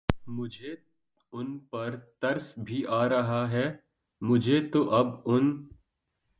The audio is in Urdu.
مجھے ان پر ترس بھی آ رہا ہے، مجھے تو اب ان